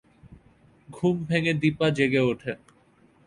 ঘুম ভেঙে দিপা জেগে ওঠে।